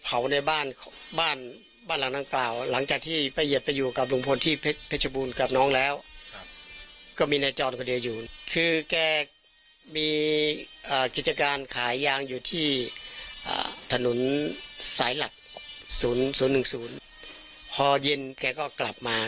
อ่าถนนสายหลักศูนย์ศูนย์หนึ่งศูนย์พอเย็นแกก็กลับมา